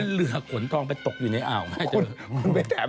ทองคุณทองคุณรึเปล่า